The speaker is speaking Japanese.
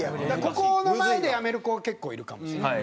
ここの前でやめる子が結構いるかもしれない。